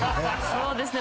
そうですね